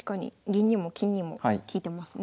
銀にも金にも利いてますね。